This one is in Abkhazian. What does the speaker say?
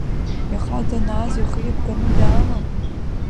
Иаха данааз ихы еибганы даама?